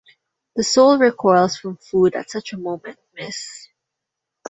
The soul recoils from food at such a moment, miss.